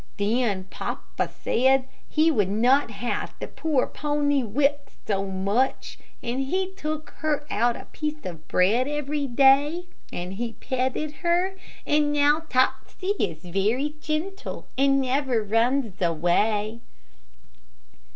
Then papa said he would not have the poor pony whipped so much, and he took her out a piece of bread every day, and he petted her, and now Topsy is very gentle, and never runs away."